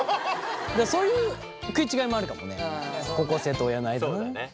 だからそういう食い違いもあるかもね。